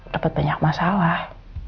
dapat banyak masalah